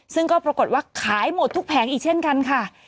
ซึ่งก็ปรากฏว่าขายหมดทุกแผงอีกเช่นกันค่ะ